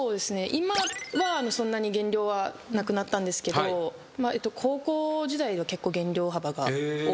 今はそんなに減量はなくなったんですけど高校時代は結構減量幅が多くて。